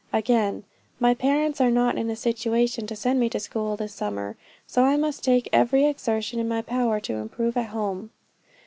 Again: "My parents are not in a situation to send me to school this summer, so I must make every exertion in my power to improve at home."